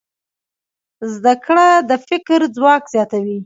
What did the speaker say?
زده کړه د فکر ځواک زیاتوي.